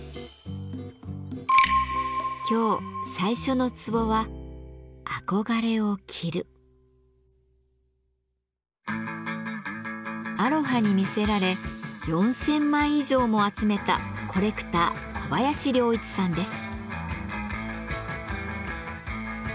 今日最初の壺はアロハに魅せられ４，０００枚以上も集めたコレクター小林亨一さんです。